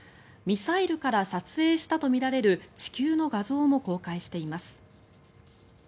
ミサイルから撮影したとみられる地球の画像も公開しています。